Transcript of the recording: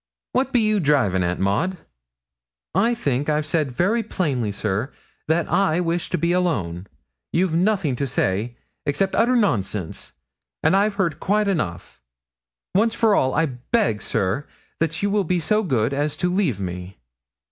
What be you drivin' at, Maud?' 'I think I've said very plainly, sir, that I wish to be alone. You've nothing to say, except utter nonsense, and I've heard quite enough. Once for all, I beg, sir, that you will be so good as to leave me.'